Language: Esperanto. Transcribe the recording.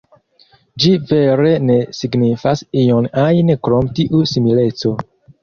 Ĝi vere ne signifas ion ajn krom tiu simileco.